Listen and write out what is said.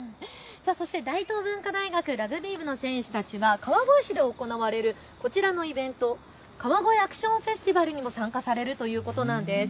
大東文化大学ラグビー部の選手たちは川越市で行われるこちらのイベント、川越アクションフェスティバルも参加されるということなんです。